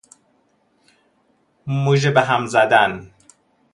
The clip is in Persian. مژه بهم زدن